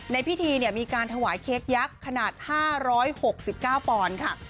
ในพิธีมีการถวายเค้กยักษ์ขนาด๕๖๙ปอนด์ค่ะ